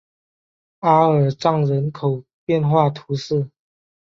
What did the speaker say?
阿尔藏人口变化图示